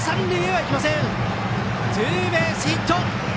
ツーベースヒット！